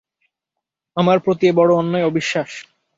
আমার প্রতি এ বড়ো অন্যায় অবিশ্বাস।